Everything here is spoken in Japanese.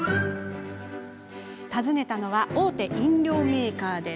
訪ねたのは、大手飲料メーカー。